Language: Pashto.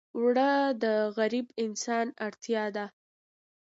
اوړه د غریب انسان اړتیا ده